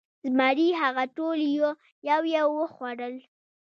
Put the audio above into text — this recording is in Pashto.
زمري هغه ټول یو یو وخوړل.